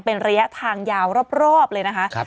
เป็นระยะทางยาวรอบเลยนะคะ